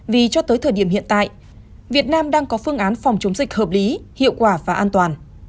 vì cho tới thời điểm hiện tại việt nam đang có phương án phòng chống dịch hợp lý hiệu quả và an toàn